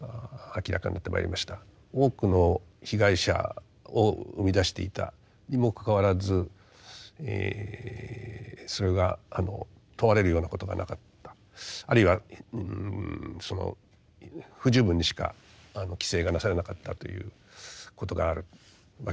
多くの被害者を生み出していたにもかかわらずそれが問われるようなことがなかったあるいは不十分にしか規制がなされなかったということがあるわけですね。